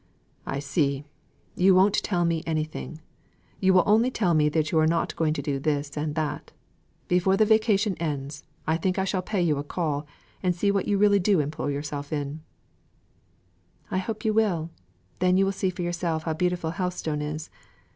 "I see, you won't tell me anything. You will only tell me that you are not going to do this and that. Before the vacation ends, I think I shall pay you a call, and see what you really do employ yourself in." "I hope you will. Then you will see for yourself how beautiful Helstone is.